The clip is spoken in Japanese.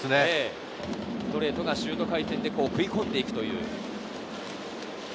ストレートがシュート回転で食い込んでいくという。